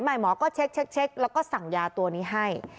หมอก็เช็คแล้วก็สั่งยาตัวนี้ให้